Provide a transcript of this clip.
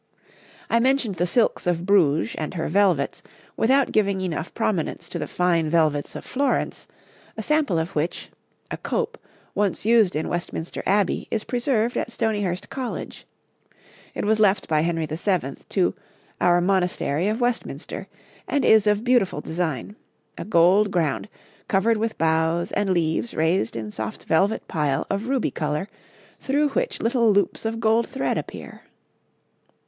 I mentioned the silks of Bruges and her velvets without giving enough prominence to the fine velvets of Florence, a sample of which, a cope, once used in Westminster Abbey, is preserved at Stonyhurst College; it was left by Henry VII. to 'Our Monastery of Westminster,' and is of beautiful design a gold ground, covered with boughs and leaves raised in soft velvet pile of ruby colour, through which little loops of gold thread appear.